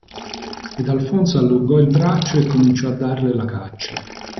Ed Alfonso allungò il braccio e cominciò a darle la caccia.